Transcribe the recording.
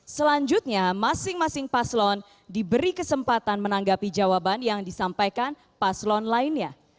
selanjutnya masing masing paslon diberi kesempatan menanggapi jawaban yang disampaikan paslon lainnya